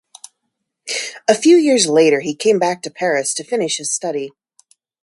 A few years later, he came back to Paris to finish his study.